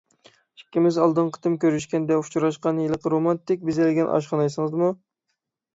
ئىككىمىز ئالدىنقى قېتىم كۆرۈشكەندە ئۇچراشقان ھېلىقى رومانتىك بېزەلگەن ئاشخانا ئېسىڭىزدىمۇ؟